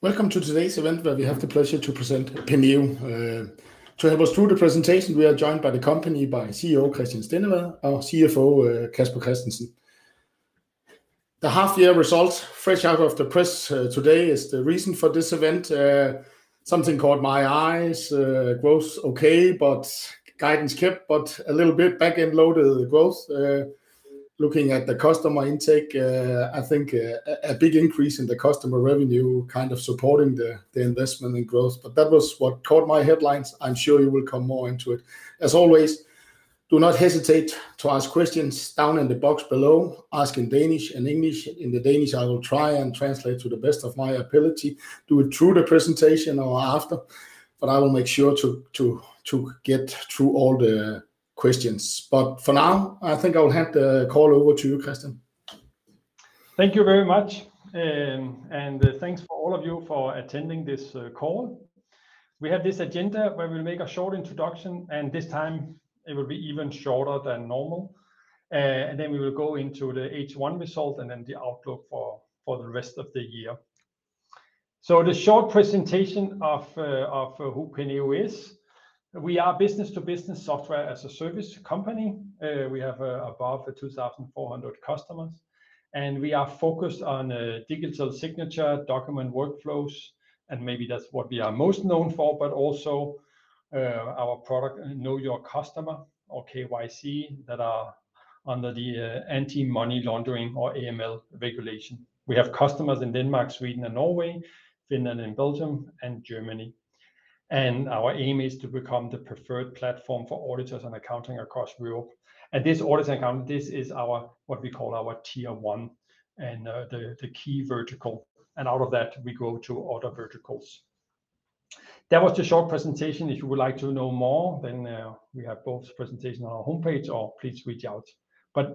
Welcome to today's event where we have the pleasure to present Penneo. To help us through the presentation we are joined by the company by CEO, Christian Stendevad, our CFO, Casper Christiansen. The half year results fresh out of the press today is the reason for this event. Something caught my eyes, growth okay, but guidance kept, but a little bit back end load of the growth. Looking at the customer intake, I think a big increase in the customer revenue kind of supporting the investment and growth, but that was what caught my headlines. I'm sure you will come more into it. As always, do not hesitate to ask questions down in the box below, ask in Danish and English. In Danish, I will try and translate to the best of my ability, do it through the presentation or after, but I will make sure to get through all the questions. For now, I think I will hand the call over to you, Christian. Thank you very much, and thanks for all of you for attending this call. We have this agenda where we'll make a short introduction, and this time it will be even shorter than normal. We will go into the H1 result, and then the outlook for the rest of the year. The short presentation of who Penneo is. We are business to business software as a service company. We have above 2,400 customers, and we are focused on digital signature, document workflows, and maybe that's what we are most known for, but also our product Know Your Customer or KYC that are under the Anti-Money Laundering or AML regulation. We have customers in Denmark, Sweden and Norway, Finland and Belgium, and Germany. Our aim is to become the preferred platform for auditors and accounting across Europe. This audit accounting, this is our what we call our tier one and the key vertical, and out of that we go to other verticals. That was the short presentation. If you would like to know more, then we have both presentation on our homepage or please reach out.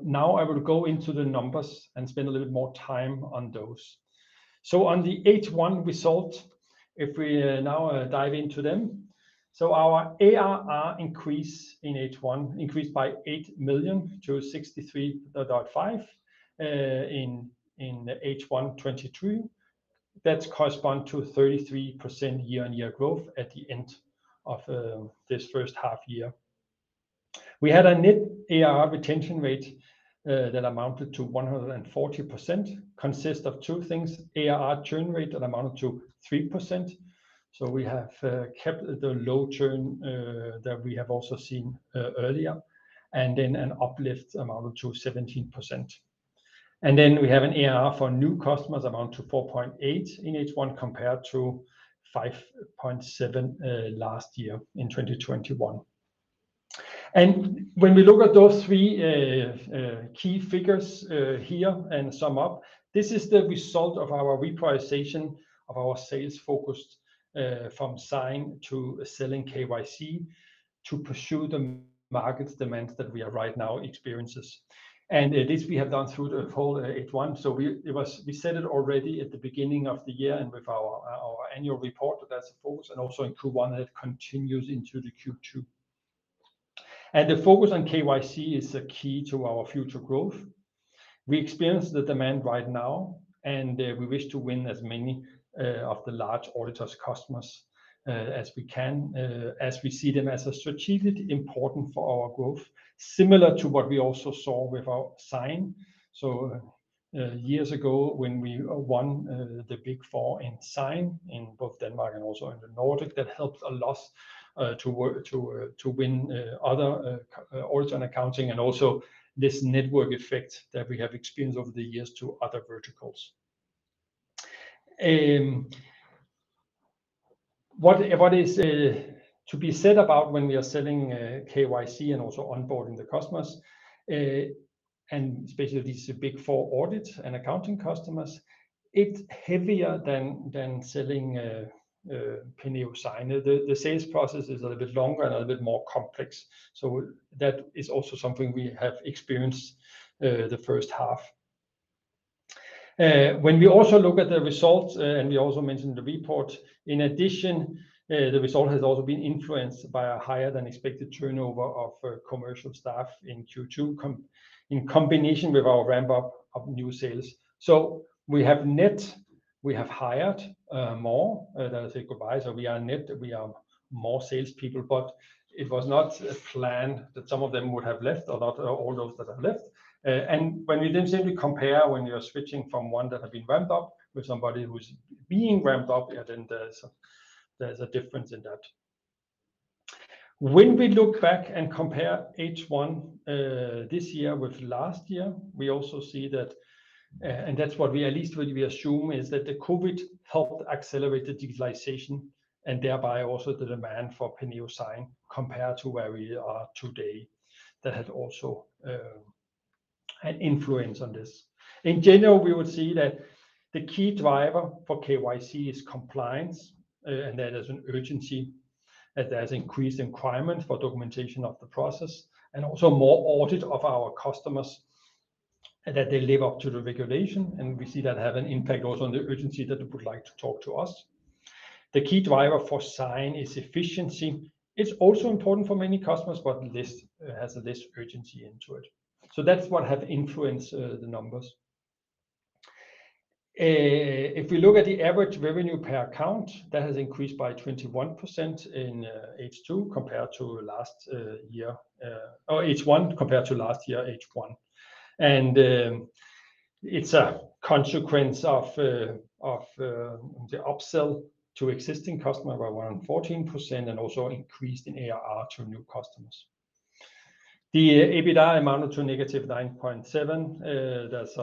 Now I will go into the numbers and spend a little bit more time on those. On the H1 result, if we now dive into them. Our ARR increase in H1 increased by 8 million-63.5 million in H1 2023. That corresponds to 33% year-on-year growth at the end of this first half year. We had a Net ARR Retention Rate that amounted to 140%, consist of two things, ARR churn rate that amounted to 3%. We have kept the low churn that we have also seen earlier, and then an uplift amount to 17%. Then we have an ARR for new customers amount to 4.8 in H1, compared to 5.7 last year in 2021. When we look at those three key figures here and sum up, this is the result of our repricing of our sales focus from Sign to selling KYC to pursue the market demands that we are right now experiences. This we have done through the whole H1. We said it already at the beginning of the year and with our annual report that's, of course, and also in Q1, it continues into the Q2. The focus on KYC is a key to our future growth. We experience the demand right now, and we wish to win as many of the large auditors customers as we can, as we see them as a strategically important for our growth, similar to what we also saw with our Sign. Years ago, when we won the Big Four in Sign in both Denmark and also in the Nordic, that helped a lot to win other audit and accounting, and also this network effect that we have experienced over the years to other verticals. What is to be said about when we are selling KYC and also onboarding the customers and especially these Big Four audit and accounting customers, it's heavier than selling Penneo Sign. The sales process is a little bit longer and a little bit more complex. That is also something we have experienced the first half. When we also look at the results and we also mentioned the report, in addition, the result has also been influenced by a higher than expected turnover of commercial staff in Q2 in combination with our ramp-up of new sales. We have net hired more than we say goodbye. We are net more salespeople, but it was not planned that some of them would have left or not all those that have left. When we then simply compare when you're switching from one that had been ramped up with somebody who's being ramped up, yeah, then there's a difference in that. When we look back and compare H1 this year with last year, we also see that that's what we at least assume is that COVID helped accelerate the digitalization and thereby also the demand for Penneo Sign compared to where we are today. That had also an influence on this. In general, we would see that the key driver for KYC is compliance, and that there's an urgency, that there's increased requirement for documentation of the process, and also more audit of our customers that they live up to the regulation, and we see that have an impact also on the urgency that they would like to talk to us. The key driver for Sign is efficiency. It's also important for many customers, but this has less urgency into it. So that's what have influenced the numbers. If we look at the average revenue per account, that has increased by 21% in H2 compared to last year, or H1 compared to last year, H1. It's a consequence of the upsell to existing customer by 114% and also increased in ARR to new customers. The EBITDA amounted to -9.7, that's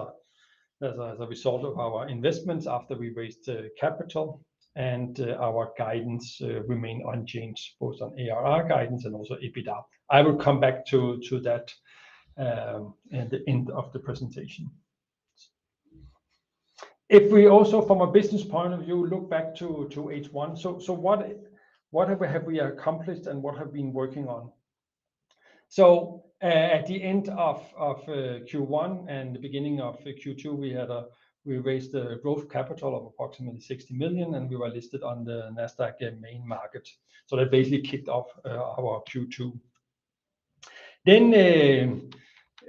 as a result of our investments after we raised capital and our guidance remain unchanged both on ARR guidance and also EBITDA. I will come back to that at the end of the presentation. If we also from a business point of view look back to H1, what have we accomplished and what have been working on? At the end of Q1 and the beginning of Q2, we raised a growth capital of approximately 60 million, and we were listed on the Nasdaq Copenhagen Main Market. That basically kicked off our Q2.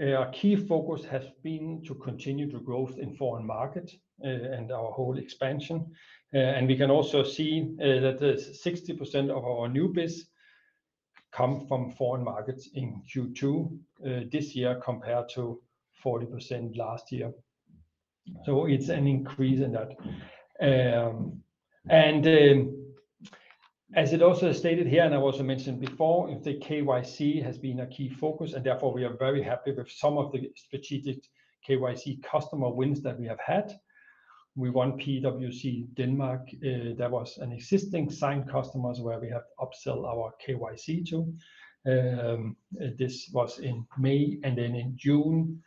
Our key focus has been to continue to growth in foreign market and our whole expansion. We can also see that the 60% of our new biz come from foreign markets in Q2 this year compared to 40% last year. It's an increase in that. As it also stated here, and I've also mentioned before, that the KYC has been a key focus, and therefore we are very happy with some of the strategic KYC customer wins that we have had. We won PwC Denmark, that was an existing Sign customers where we have upsell our KYC to. This was in May, and in June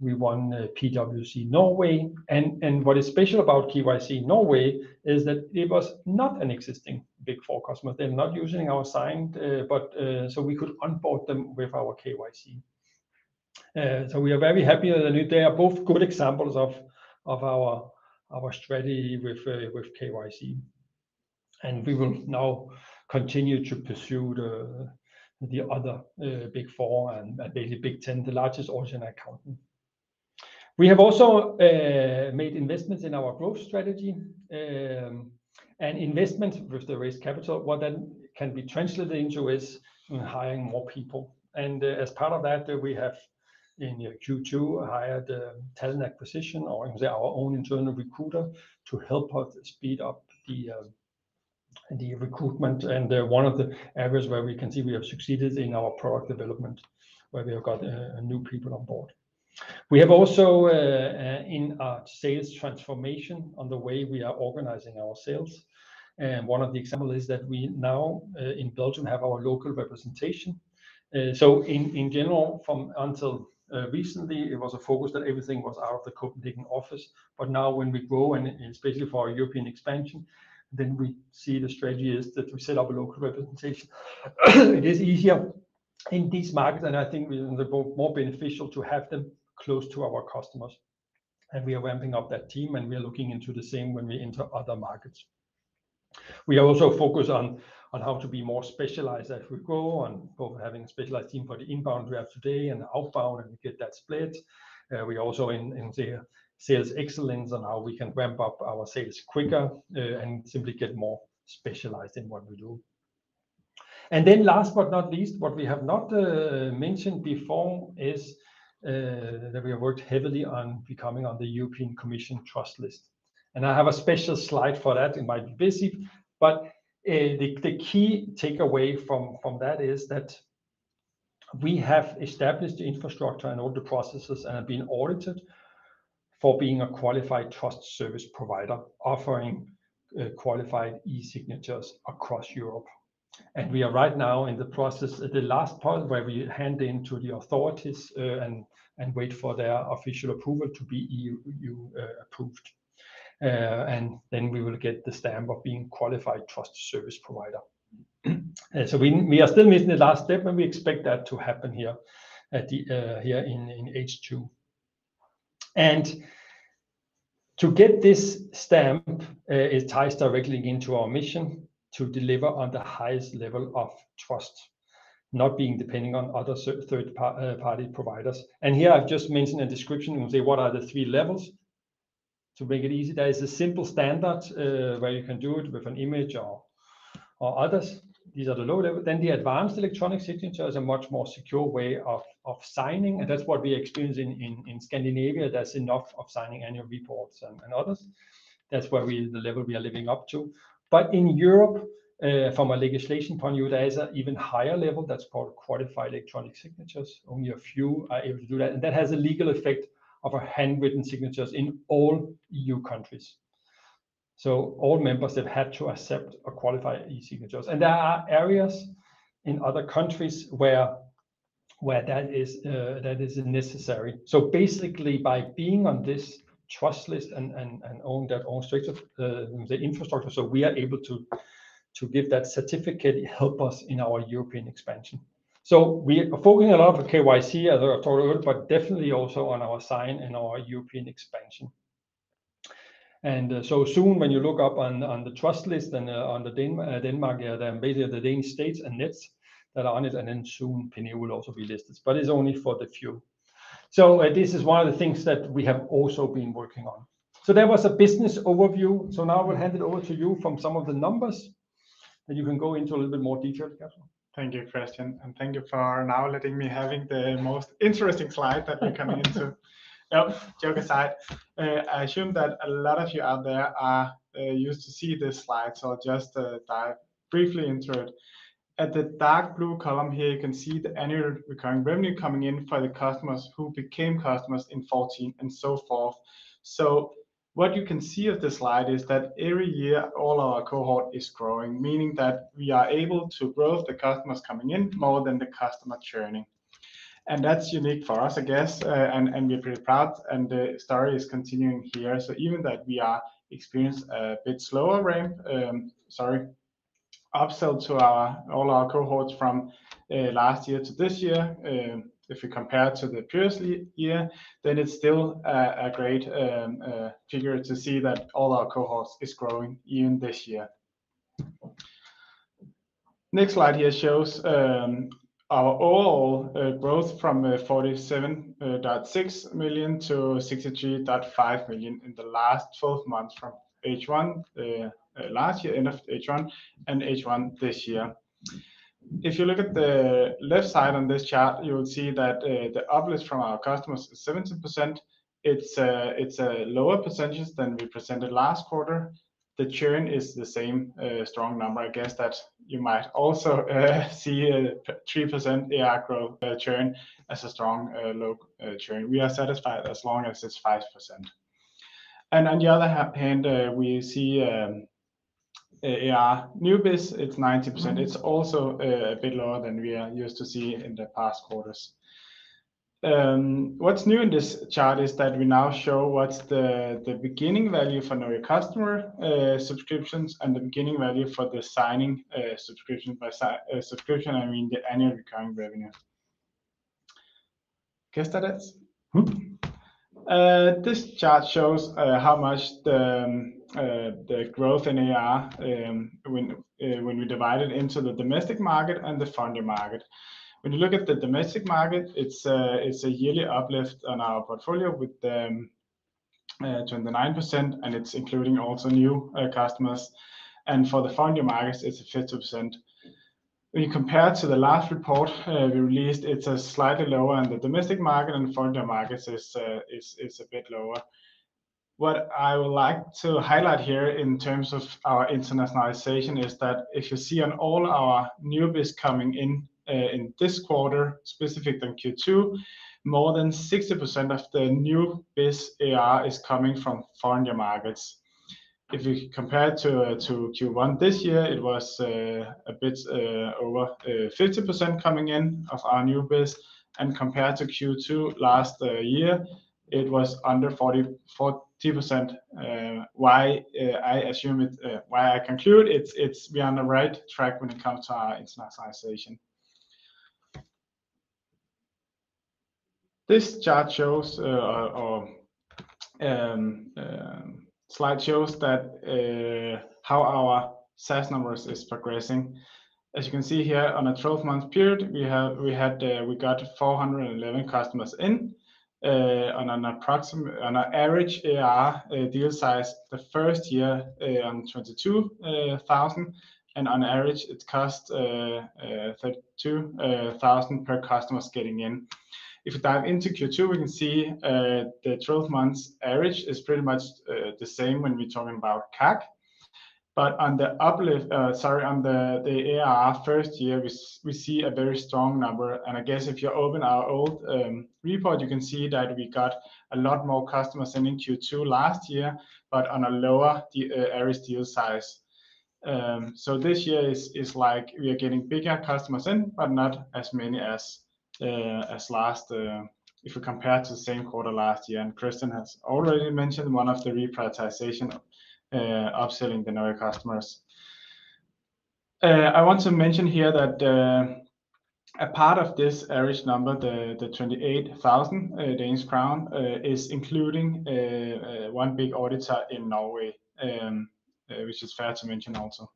we won PwC Norway. What is special about PwC Norway is that it was not an existing Big Four customer. They're not using our Sign, but so we could onboard them with our KYC. We are very happy, and they are both good examples of our strategy with KYC. We will now continue to pursue the other Big Four and basically Big Ten, the largest audit and accounting. We have also made investments in our growth strategy and investment with the raised capital. What that can be translated into is hiring more people. As part of that, we have in Q2 hired a talent acquisition or our own internal recruiter to help us speed up the recruitment. One of the areas where we can see we have succeeded in our product development, where we have got new people on board. We have also in our sales transformation on the way we are organizing our sales. One of the examples is that we now in Belgium have our local representation. In general up until recently it was a focus that everything was out of the Copenhagen office. Now when we grow, and especially for our European expansion, then we see the strategy is that we set up a local representation. It is easier in this market, and I think more beneficial to have them close to our customers, and we are ramping up that team, and we are looking into the same when we enter other markets. We also focus on how to be more specialized as we grow and both having specialized team for the inbound we have today and outbound, and we get that split. We also invest in sales excellence on how we can ramp up our sales quicker and simply get more specialized in what we do. Last but not least, what we have not mentioned before is that we have worked heavily on getting on the European Union Trusted Lists. I have a special slide for that. It might be busy, but the key takeaway from that is that we have established the infrastructure and all the processes and have been audited for being a qualified trust service provider offering qualified e-signatures across Europe. We are right now in the process at the last part where we hand in to the authorities and wait for their official approval to be EU approved. We will get the stamp of being qualified trust service provider. We are still missing the last step, and we expect that to happen here at the, here in H2. To get this stamp, it ties directly into our mission to deliver on the highest level of trust, not being depending on other third party providers. Here I've just mentioned a description and say what are the three levels to make it easy. There is a simple standard where you can do it with an image or others. These are the low level. Then the Advanced Electronic Signature is a much more secure way of signing, and that's what we experience in Scandinavia. That's enough of signing annual reports and others. That's where the level we are living up to. In Europe, from a legislation point of view, there is an even higher level that's called Qualified Electronic Signatures. Only a few are able to do that, and that has a legal effect of a handwritten signature in all EU countries. All members have had to accept a Qualified e-Signatures. There are areas in other countries where that is necessary. Basically by being on this Trusted List and own that structure, the infrastructure, we are able to give that certificate help us in our European expansion. We are focusing a lot on KYC as I told you, but definitely also on our Sign in our European expansion. Soon when you look up on the trust list and on Denmark, the Danish state and Nets that are on it, and then soon Penneo will also be listed, but it's only for the few. This is one of the things that we have also been working on. That was a business overview. Now I will hand it over to you from some of the numbers, and you can go into a little bit more detail, Casper. Thank you, Christian, and thank you for now letting me having the most interesting slide that we come into. No, joke aside, I assume that a lot of you out there are used to see this slide, so I'll just dive briefly into it. At the dark blue column here, you can see the annual recurring revenue coming in for the customers who became customers in 2014 and so forth. What you can see of the slide is that every year, all our cohort is growing, meaning that we are able to grow the customers coming in more than the customer churning. That's unique for us, I guess. We're pretty proud, and the story is continuing here. Even though we have experienced a bit slower upsell to all our cohorts from last year to this year, if you compare to the previous year, then it's still a great figure to see that all our cohorts is growing even this year. Next slide here shows our overall growth from 47.6 million-63.5 million in the last twelve months from H1 last year end of H1 and H1 this year. If you look at the left side on this chart, you will see that the uplift from our customers is 17%. It's a lower percentage than we presented last quarter. The churn is the same strong number. I guess that you might also see a 3% ARR churn as a strong low churn. We are satisfied as long as it's 5%. On the other hand, we see ARR new biz it's 90%. It's also a bit lower than we are used to see in the past quarters. What's new in this chart is that we now show what's the beginning value for new customer subscriptions and the beginning value for the signing subscription. By subscription, I mean the annual recurring revenue. Casper, that's. This chart shows how much the growth in ARR when we divide it into the domestic market and the foreign market. When you look at the domestic market, it's a yearly uplift on our portfolio with 29%, and it's including also new customers. For the foreign markets, it's 50%. When you compare to the last report we released, it's slightly lower on the domestic market and the foreign markets it's a bit lower. What I would like to highlight here in terms of our internationalization is that if you see on all our new biz coming in in this quarter, specifically Q2, more than 60% of the new biz ARR is coming from foreign markets. If we compare to Q1 this year, it was a bit over 50% coming in of our new biz, and compared to Q2 last year, it was under 40%. I conclude we're on the right track when it comes to our internationalization. This slide shows how our SaaS numbers is progressing. As you can see here on a 12-month period, we got 411 customers in on an average AR deal size the first year on 22,000, and on average, it cost 32,000 per customers getting in. If we dive into Q2, we can see the 12-month average is pretty much the same when we're talking about CAC. On the AR first year, we see a very strong number. I guess if you open our old report, you can see that we got a lot more customers in Q2 last year, but on a lower average deal size. This year is like we are getting bigger customers in, but not as many as last if we compare to the same quarter last year. Christian has already mentioned one of the reprioritization upselling the newer customers. I want to mention here that a part of this average number, the 28,000 Danish crown, is including one big auditor in Norway, which is fair to mention also.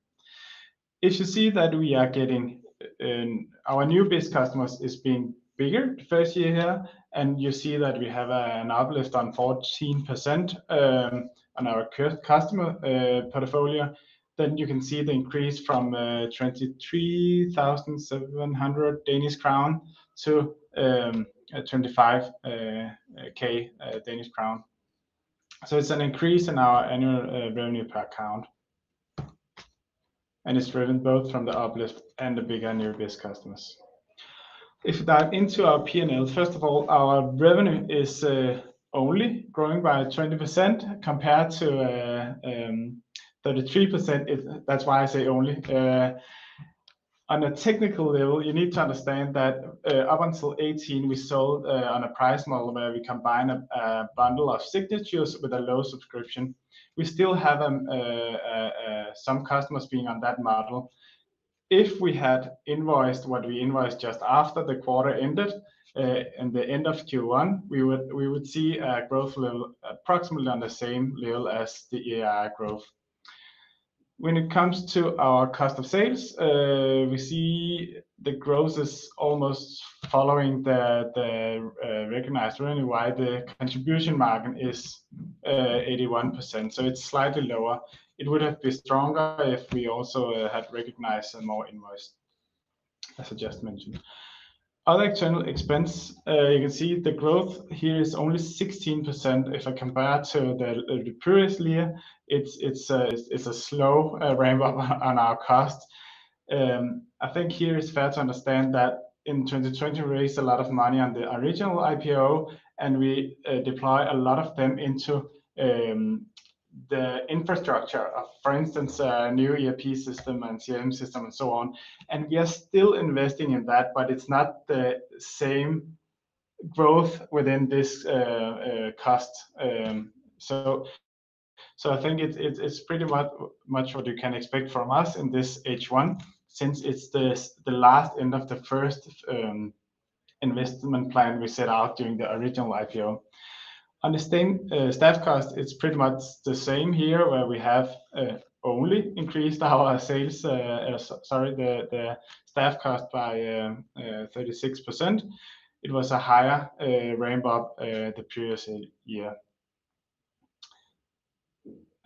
If you see that we are getting in our new biz customers is being bigger first year here, and you see that we have an uplift on 14% on our customer portfolio, then you can see the increase from 23,700-25,000 Danish crown. It's an increase in our annual revenue per account, and it's driven both from the uplift and the bigger new biz customers. If we dive into our P&L, first of all, our revenue is only growing by 20% compared to 33% that's why I say only. On a technical level, you need to understand that up until 2018 we sold on a price model where we combine a bundle of signatures with a low subscription. We still have some customers being on that model. If we had invoiced what we invoiced just after the quarter ended in the end of Q1, we would see a growth approximately on the same level as the ARR growth. When it comes to our cost of sales, we see the growth is almost following the recognized revenue. Why? The contribution margin is 81%, so it's slightly lower. It would have been stronger if we also had recognized some more invoice, as I just mentioned. Other external expense, you can see the growth here is only 16% if I compare to the previous year. It's a slow ramp-up on our costs. I think here it's fair to understand that in 2020 we raised a lot of money on the original IPO, and we deploy a lot of them into the infrastructure of, for instance, a new ERP system and CRM system and so on. We are still investing in that, but it's not the same growth within this cost. I think it's pretty much what you can expect from us in this H1 since it's the tail end of the first investment plan we set out during the original IPO. On this thing, staff cost, it's pretty much the same here, where we have only increased the staff cost by 36%. It was a higher ramp-up the previous year.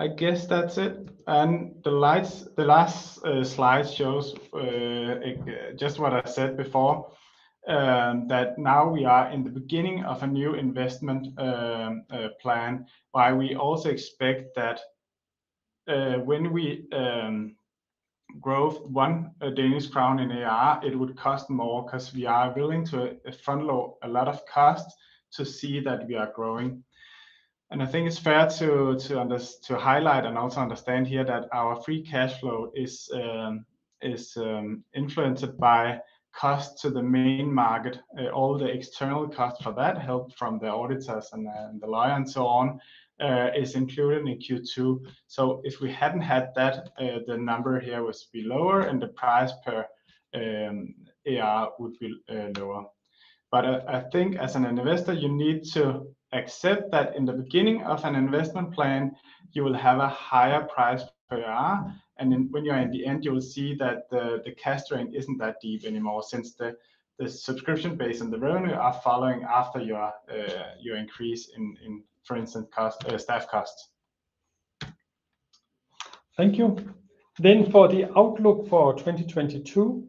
I guess that's it. The last slide shows just what I said before, that now we are in the beginning of a new investment plan, while we also expect that, when we grow 1 Danish crown in ARR, it would cost more 'cause we are willing to front-load a lot of costs to see that we are growing. I think it's fair to highlight and also understand here that our free cash flow is influenced by costs to the Nasdaq Copenhagen Main Market. All the external costs for that, help from the auditors and the lawyer and so on, is included in Q2. If we hadn't had that, the number here would be lower, and the price per ARR would be lower. I think as an investor, you need to accept that in the beginning of an investment plan you will have a higher price per ARR, and then when you're at the end, you will see that the cash drain isn't that deep anymore since the subscription base and the revenue are following after your increase in, for instance, cost, staff costs. Thank you. For the outlook for 2022,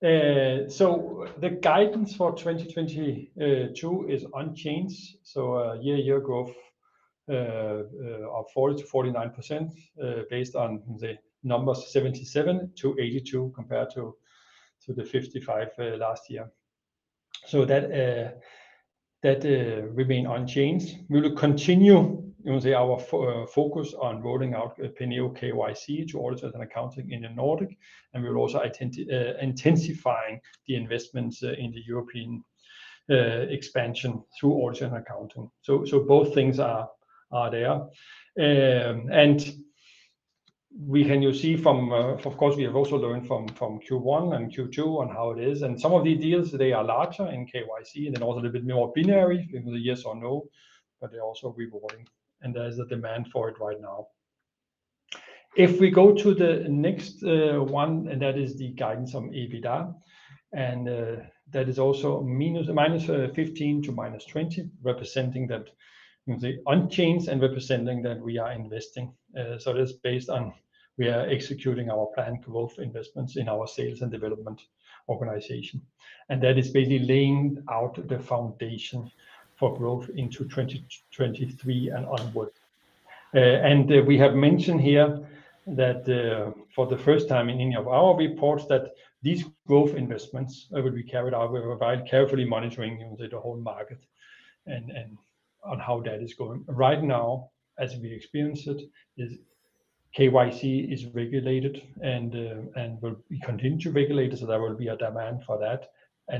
the guidance for 2022 is unchanged. A year-over-year growth of 40%-49%, based on the numbers 77-82 compared to the 55 last year. That remain unchanged. We will continue, you know, our focus on rolling out Penneo KYC to audit and accounting in the Nordic, and we're also intensifying the investments in the European expansion through audit and accounting. Both things are there. And you can see from, of course, we have also learned from Q1 and Q2 on how it is. Some of the deals today are larger in KYC and then also a little bit more binary, you know, yes or no, but they're also rewarding, and there is a demand for it right now. If we go to the next one, that is the guidance on EBITDA, and that is also -15--20, representing that, you know, same unchanged and representing that we are investing. That's based on we are executing our plan to growth investments in our sales and development organization, and that is basically laying out the foundation for growth into 2023 and onward. We have mentioned here that, for the first time in any of our reports, that these growth investments will be carried out. We will provide careful monitoring, you know, the whole market and on how that is going. Right now, as we experience it, KYC is regulated and will continue to be regulated, so there will be a demand for that.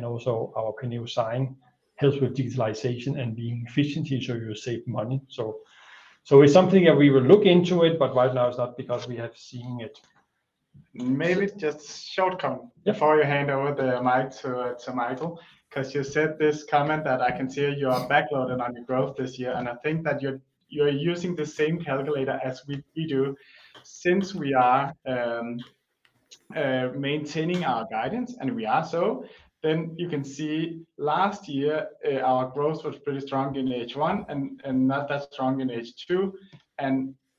Also our Penneo Sign helps with digitalization and being efficient, so you save money. It's something that we will look into it, but right now it's not because we have seen it. Maybe just short comment- Yeah ...before you hand over the mic to Michael, 'cause you said this comment that I can see you are backloaded on your growth this year, and I think that you're using the same calculator as we do. Since we are maintaining our guidance, then you can see last year our growth was pretty strong in H1 and not that strong in H2.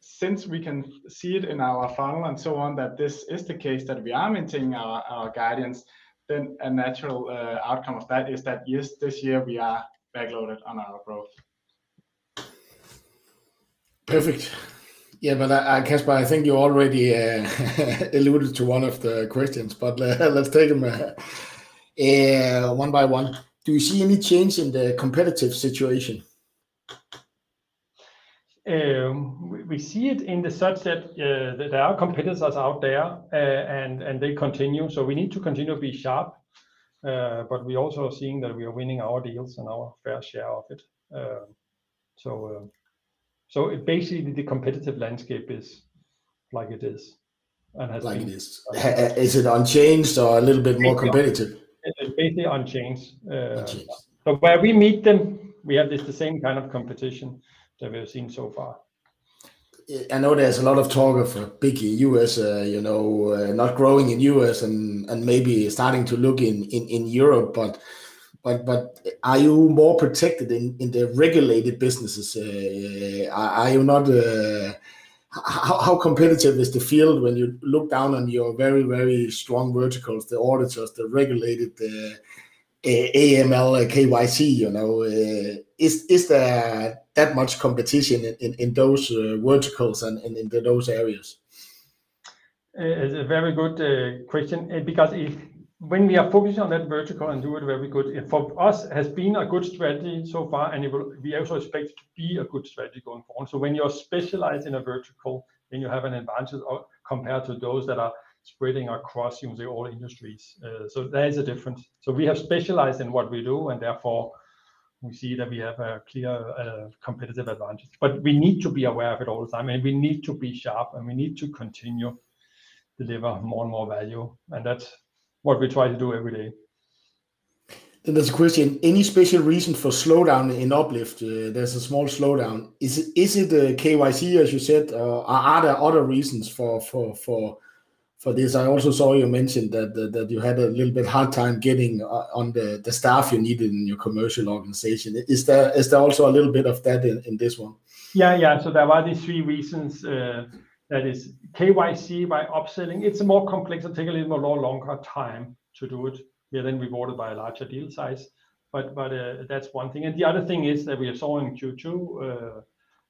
Since we can see it in our funnel and so on that this is the case, that we are maintaining our guidance, then a natural outcome of that is that, yes, this year we are backloaded on our growth. Perfect. Yeah, Casper, I think you already alluded to one of the questions, let's take them one by one. Do you see any change in the competitive situation? We see it in the subset that there are competitors out there, and they continue, so we need to continue to be sharp. We also are seeing that we are winning our deals and our fair share of it. It basically the competitive landscape is like it is and has been. Like it is. Is it unchanged or a little bit more competitive? It's basically unchanged- Unchanged. ...where we meet them, we have just the same kind of competition that we have seen so far. I know there's a lot of talk of big U.S., you know, not growing in U.S. and maybe starting to look in Europe, but are you more protected in the regulated businesses? How competitive is the field when you look down on your very strong verticals, the auditors, the regulated, the AML, like KYC, you know? Is there that much competition in those verticals and in those areas? It's a very good question because when we are focused on that vertical and do it very good, it for us has been a good strategy so far, and we also expect it to be a good strategy going forward. When you are specialized in a vertical, then you have an advantage compared to those that are spreading across, you know, all industries. There is a difference. We have specialized in what we do, and therefore we see that we have a clear competitive advantage. We need to be aware of it all the time, and we need to be sharp, and we need to continue deliver more and more value, and that's what we try to do every day. There's a question. Any special reason for slowdown in uplift? There's a small slowdown. Is it the KYC, as you said, or are there other reasons for this? I also saw you mentioned that you had a little bit hard time getting on the staff you needed in your commercial organization. Is there also a little bit of that in this one? Yeah, yeah. There are these three reasons. That is KYC by upselling. It's more complex and take a little more longer time to do it. Yeah, then rewarded by a larger deal size, but that's one thing. The other thing is that we have saw in Q2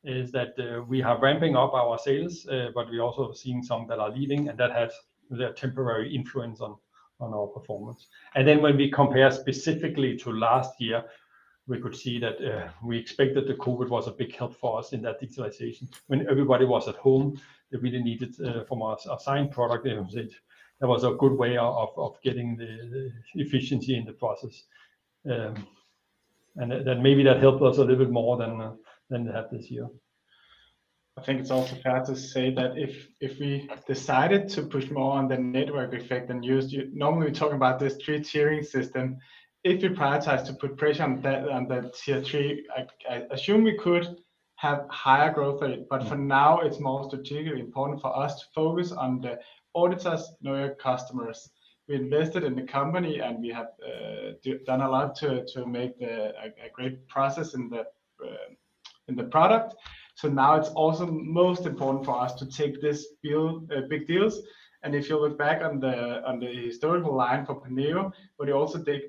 is that we are ramping up our sales, but we also have seen some that are leaving, and that had the temporary influence on our performance. Then when we compare specifically to last year, we could see that we expect that the COVID was a big help for us in that digitalization. When everybody was at home, they really needed from our Sign product. It was a good way of getting the efficiency in the process. Maybe that helped us a little bit more than that this year. I think it's also fair to say that if we decided to push more on the network effect than usual. Normally, we talk about this three-tiering system. If we prioritize to put pressure on that, on that tier three, I assume we could have higher growth rate. For now, it's more strategically important for us to focus on the auditors, KYC. We invested in the company, and we have done a lot to make a great process in the product. Now it's also most important for us to take this deal, big deals. If you look back on the historical line for Penneo, what we also did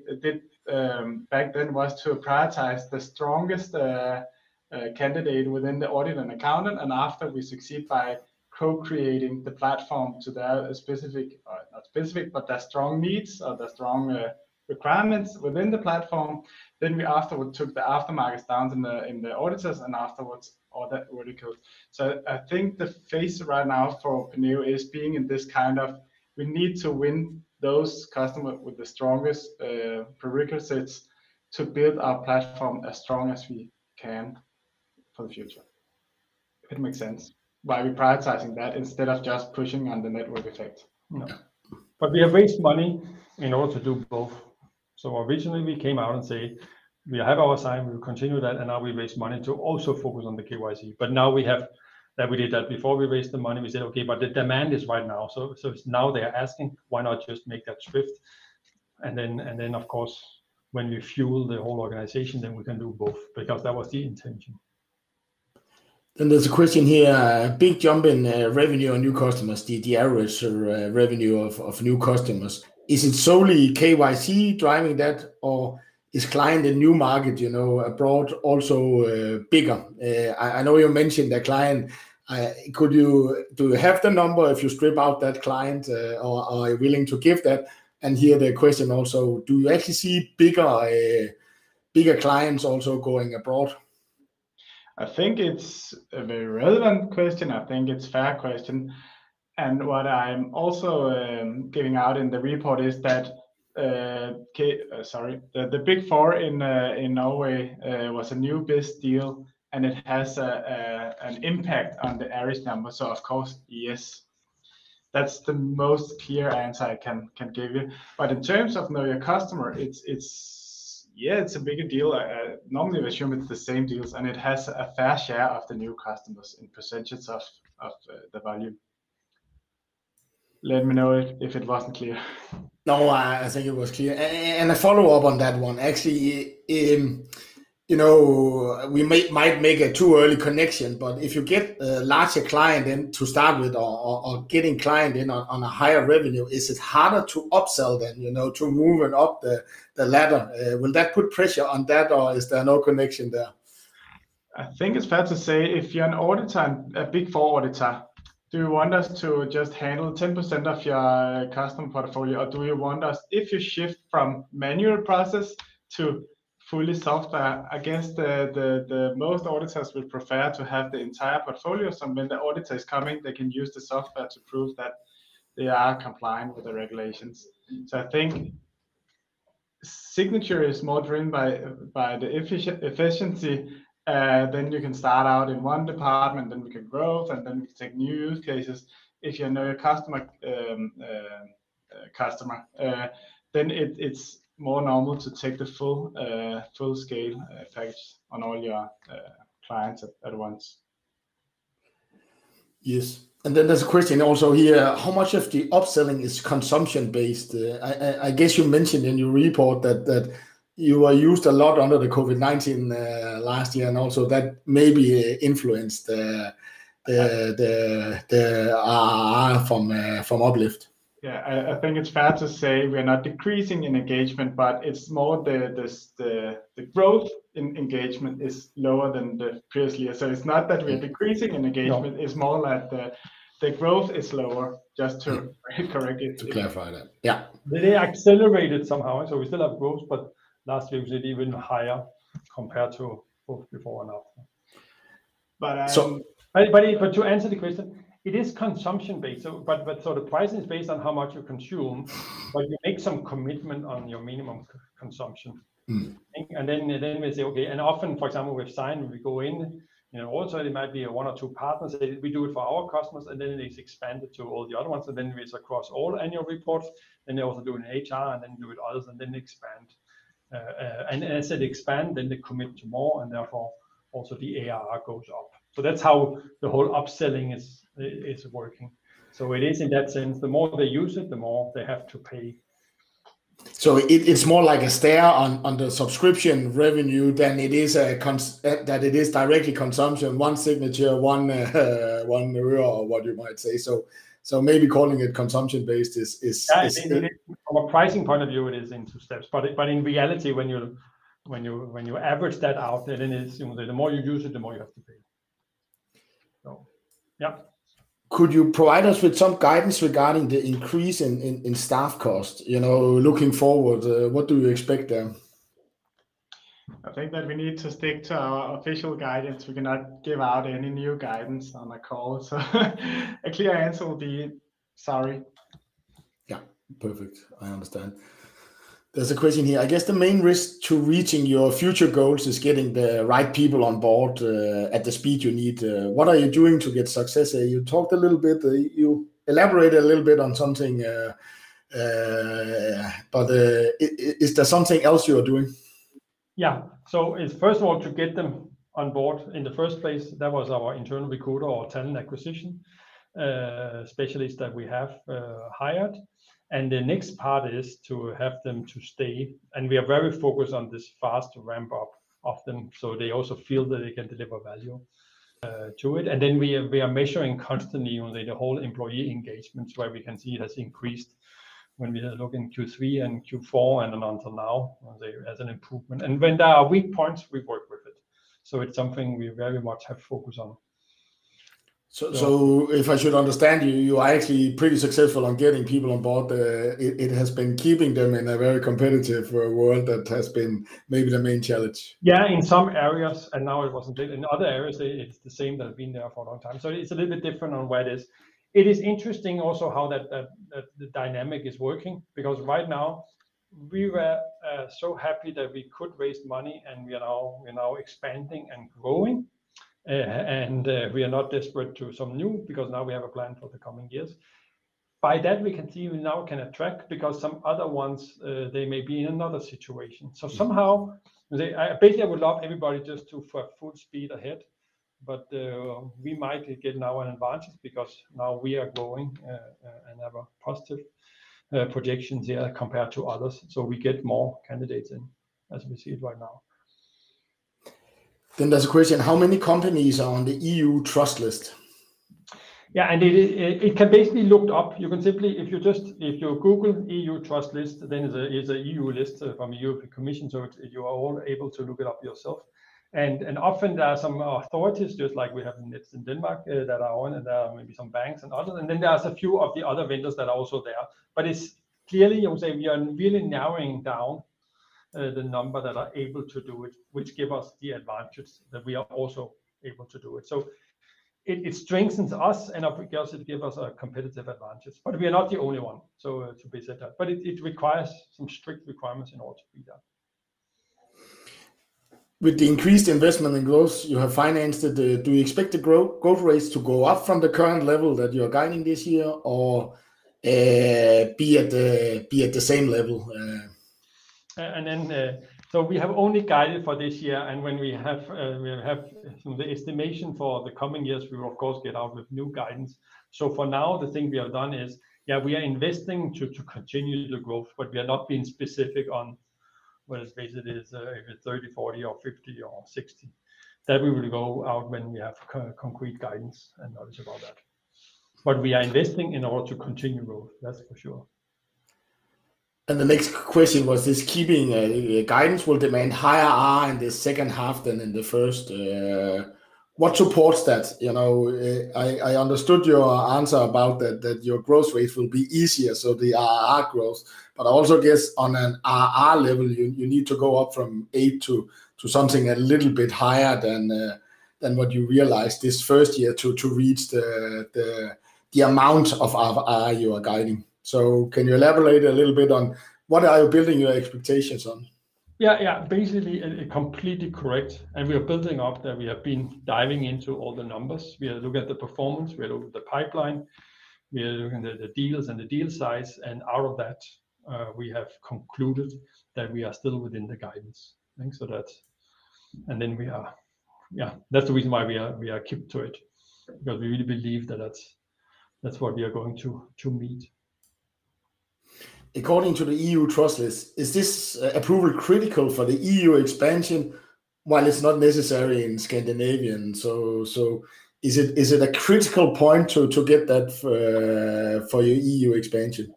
back then was to prioritize the strongest candidate within the audit and accounting. After we succeed by co-creating the platform to their specific, or not specific, but their strong needs or strong requirements within the platform, then we afterward took the aftermarkets down in the auditors and afterwards other verticals. I think the phase right now for Penneo is being in this kind of, we need to win those customer with the strongest prerequisites to build our platform as strong as we can for the future, if it makes sense. By reprioritizing that instead of just pushing on the network effect. Yeah. We have raised money in order to do both. Originally, we came out and say, "We have our Sign, we will continue that, and now we raise money to also focus on the KYC." Now we have that we did that. Before we raised the money, we said, "Okay, but the demand is right now." It's now they are asking, why not just make that shift? Of course, when we fuel the whole organization, we can do both because that was the intention. There's a question here. A big jump in revenue on new customers, the average revenue of new customers. Is it solely KYC driving that, or is client in new market, you know, abroad also bigger? I know you mentioned a client. Do you have the number if you strip out that client, or are you willing to give that? Here's the question also, do you actually see bigger clients also going abroad? I think it's a very relevant question. I think it's a fair question. What I'm also giving out in the report is that the Big Four in Norway was our best deal, and it has an impact on the average number. Of course, yes. That's the most clear answer I can give you. In terms of know your customer, it's yeah, it's a bigger deal. Normally we assume it's the same deals, and it has a fair share of the new customers in percentage of the value. Let me know if it wasn't clear. No, I think it was clear. A follow-up on that one. Actually, you know, we might make a too early connection, but if you get a larger client in to start with or getting client in on a higher revenue, is it harder to upsell them, you know, to move it up the ladder? Will that put pressure on that, or is there no connection there? I think it's fair to say if you're an auditor, a Big Four auditor? Do you want us to just handle 10% of your customer portfolio, or do you want us if you shift from manual process to fully software? I guess the most auditors would prefer to have the entire portfolio, so when the auditor is coming, they can use the software to prove that they are complying with the regulations. I think signature is more driven by the efficiency. You can start out in one department, then we can grow, and then we can take new use cases. If you know your customer, then it's more normal to take the full-scale approach on all your clients at once. Yes. Then there's a question also here, how much of the upselling is consumption-based? I guess you mentioned in your report that you are used a lot during the COVID-19 last year, and also that maybe influenced the uplift. Yeah. I think it's fair to say we are not decreasing in engagement, but it's more the growth in engagement is lower than the previous year. It's not that we're decreasing in engagement. No. It's more that the growth is lower just to correct it. To clarify that. Yeah. They accelerated somehow. We still have growth, but last year was even higher compared to before and after. So- To answer the question, it is consumption-based. The price is based on how much you consume, but you make some commitment on your minimum consumption. We say, okay, and often, for example, we've signed. We go in, you know, also it might be a one or two partners. We do it for our customers, and then it is expanded to all the other ones, and then it's across all annual reports. They also do an HR and then do it others, and then they expand. As they expand, they commit to more and therefore also the ARR goes up. That's how the whole upselling is working. It is in that sense, the more they use it, the more they have to pay. It's more like a stair-step on the subscription revenue than it is directly consumption. One signature, one euro, or what you might say. Maybe calling it consumption-based is From a pricing point of view, it is in two steps. In reality, when you average that out, then it's, you know, the more you use it, the more you have to pay. Yep. Could you provide us with some guidance regarding the increase in staff costs? You know, looking forward, what do you expect there? I think that we need to stick to our official guidance. We cannot give out any new guidance on the call. A clear answer will be sorry. Yeah. Perfect. I understand. There's a question here. I guess the main risk to reaching your future goals is getting the right people on board at the speed you need. What are you doing to get success? You talked a little bit, you elaborated a little bit on something, but is there something else you are doing? Yeah. It's first of all to get them on board in the first place. That was our internal recruiter or talent acquisition specialist that we have hired. The next part is to have them to stay, and we are very focused on this fast ramp-up of them, so they also feel that they can deliver value to it. Then we are measuring constantly on the whole employee engagement where we can see it has increased when we look in Q3 and Q4 and until now as an improvement. When there are weak points, we work with it. It's something we very much have focus on. If I should understand you are actually pretty successful on getting people on board. It has been keeping them in a very competitive world that has been maybe the main challenge. Yeah, in some areas, and now it wasn't. In other areas, it's the same that have been there for a long time. It's a little bit different on where it is. It is interesting also how that the dynamic is working because right now we were so happy that we could raise money and we're now expanding and growing. We are not desperate to some new because now we have a plan for the coming years. By that we can see we now can attract because some other ones, they may be in another situation. I basically would love everybody just to for full speed ahead, but we might get now an advantage because now we are growing and have a positive projections here compared to others, so we get more candidates in as we see it right now. There's a question, how many companies are on the EU Trusted List? Yeah. It can basically looked up. You can simply google EU trust list, then there's a EU list from European Commission, so you are all able to look it up yourself. Often there are some authorities just like we have in Denmark that are on it. There are maybe some banks and others. Then there's a few of the other vendors that are also there. But it's clearly. I would say we are really narrowing down the number that are able to do it, which give us the advantage that we are also able to do it. So it strengthens us and obviously give us a competitive advantage. But we are not the only one, so to be said that. But it requires some strict requirements in order to be there. With the increased investment in growth you have financed, do you expect the growth rates to go up from the current level that you're guiding this year or be at the same level? We have only guided for this year and when we have the estimation for the coming years, we will of course get out with new guidance. For now, the thing we have done is, yeah, we are investing to continue the growth, but we are not being specific on whether basically it is if it's 30, 40 or 50 or 60. That we will go out when we have concrete guidance and knowledge about that. We are investing in order to continue growth, that's for sure. The next question was: keeping guidance will demand higher ARR in the second half than in the first. What supports that? You know, I understood your answer about that your growth rate will be easier, so the ARR growth. But I also guess on an ARR level, you need to go up from 8% to something a little bit higher than what you realized this first year to reach the amount of ARR you are guiding. Can you elaborate a little bit on what are you building your expectations on? Yeah, yeah. Basically, completely correct. We are building up to that we have been diving into all the numbers. We are looking at the performance, we are looking at the pipeline, we are looking at the deals and the deal size, and out of that, we have concluded that we are still within the guidance. I think. So that's the reason why we are keeping to it, because we really believe that that's what we are going to meet. According to the EU trust list, is this approval critical for the EU expansion while it's not necessary in Scandinavia? Is it a critical point to get that for your EU expansion?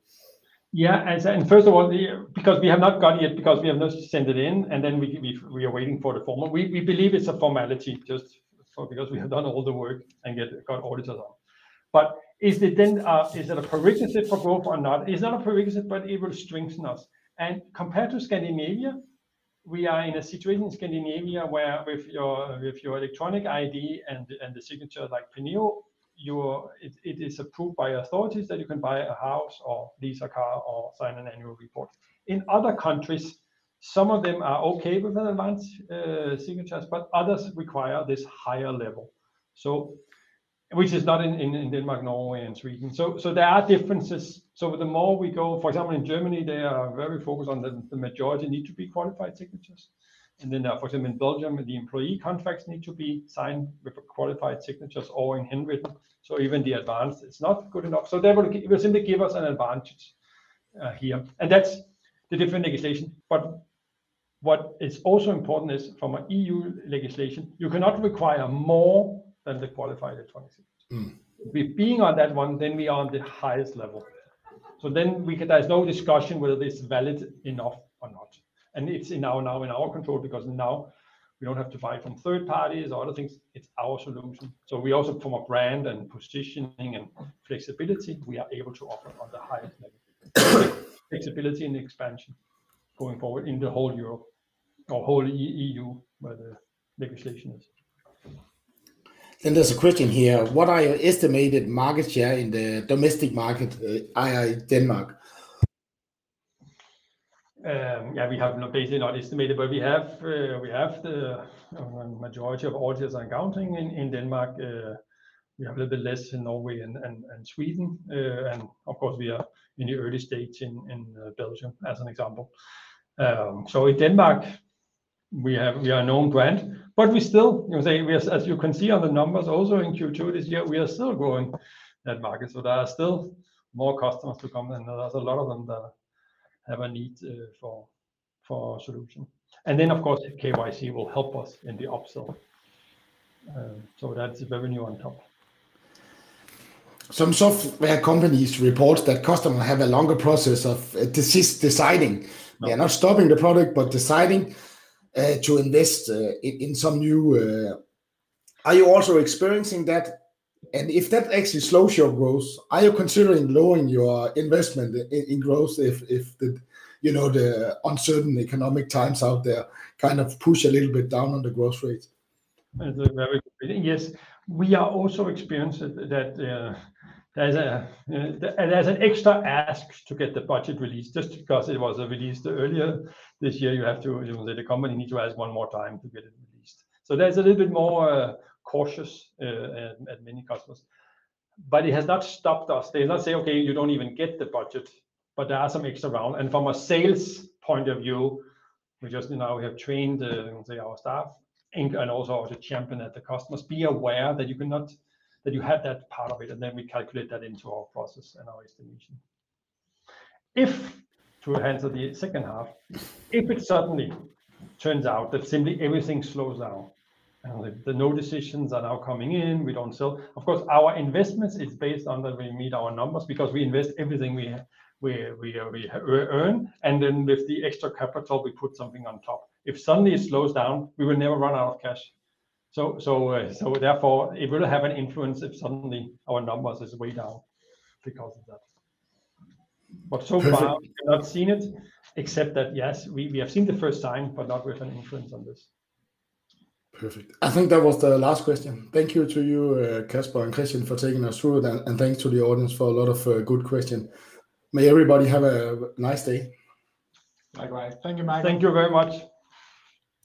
Yeah. First of all, because we have not got it yet, because we have not sent it in, and then we are waiting for the formal. We believe it's a formality just for, because we have done all the work and got audited on. Is it then a prerequisite for growth or not? It's not a prerequisite, but it will strengthen us. Compared to Scandinavia, we are in a situation in Scandinavia where with your electronic ID and the signature like Penneo, it is approved by authorities that you can buy a house or lease a car or sign an annual report. In other countries, some of them are okay with advanced signatures, but others require this higher level, which is not in Denmark, Norway and Sweden. There are differences. The more we go, for example, in Germany, they are very focused on the majority need to be qualified signatures. For example, in Belgium, the employee contracts need to be signed with qualified signatures or handwritten. Even the advanced, it's not good enough. It will simply give us an advantage here. That's the different legislation. What is also important is from an EU legislation, you cannot require more than the qualified electronic signature. With being on that one, then we are on the highest level. There's no discussion whether it is valid enough or not. It's in our, now in our control because now we don't have to buy from third parties or other things. It's our solution. We also from a brand and positioning and flexibility, we are able to offer on the highest level. Flexibility and expansion going forward in the whole Europe or whole EU where the legislation is. There's a question here. What are your estimated market share in the domestic market, i.e. Denmark? Yeah, we have not estimated, but we have the majority of audits and accounting in Denmark. We have a little bit less in Norway and Sweden. Of course, we are in the early stage in Belgium as an example. In Denmark we are a known brand, but we still, you know, say as you can see on the numbers also in Q2 this year, we are still growing that market. There are still more customers to come than there was. A lot of them that have a need for our solution. Then of course KYC will help us in the upsell. That's revenue on top. Some software companies report that customers have a longer process of deciding. They're not stopping the product, but deciding to invest in some new. Are you also experiencing that? If that actually slows your growth, are you considering lowering your investment in growth if the you know the uncertain economic times out there kind of push a little bit down on the growth rate? That's a very good. Yes, we are also experiencing that, there's an extra ask to get the budget released just because it was released earlier this year you have to, you know, the company need to ask one more time to get it released. So there's a little bit more cautious at many customers. It has not stopped us. They not say, "Okay, you don't even get the budget." There are some extra round. From a sales point of view, we just, you know, we have trained say our staff and also the champion at the customers that you have that part of it, and then we calculate that into our process and our estimation. To answer the second half, if it suddenly turns out that simply everything slows down, then no decisions are now coming in, we don't sell. Of course, our investments is based on that we meet our numbers because we invest everything we earn, and then with the extra capital, we put something on top. If suddenly it slows down, we will never run out of cash. Therefore it will have an influence if suddenly our numbers is way down because of that. So far, we have not seen it, except that yes, we have seen the first sign, but not with an influence on this. Perfect. I think that was the last question. Thank you to you, Casper and Christian for taking us through that, and thanks to the audience for a lot of good question. May everybody have a nice day. Bye-bye. Thank you, Mike. Thank you very much.